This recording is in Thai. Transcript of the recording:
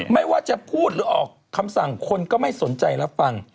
ไม่ว่าจะพูดหรือออกคำสั่งคนก็ไม่สนใจรับฟัง